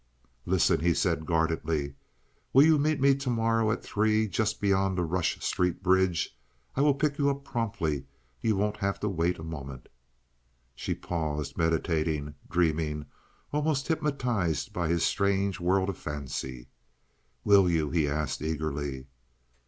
"Listen," he said, guardedly. "Will you meet me to morrow at three just beyond the Rush Street bridge? I will pick you up promptly. You won't have to wait a moment." She paused, meditating, dreaming, almost hypnotized by his strange world of fancy. "Will you?" he asked, eagerly.